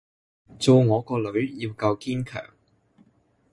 做我個女要夠堅強